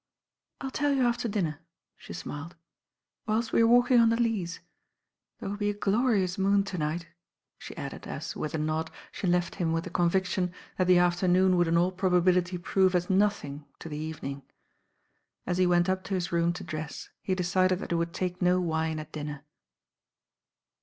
I U tell you after dinner," she smiled, "whilst we arc walking on the Leas. There will be a glo rious moon to night," she added as, with a nod, •he left him with the conviction that the afternoon *^ THE RAIN GIRL would in aU probabiUty prove as nothing to the evening. * As he went up to his room to dress, he decided that he would take no wine at dinner.